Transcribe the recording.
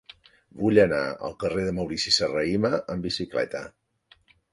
Vull anar al carrer de Maurici Serrahima amb bicicleta.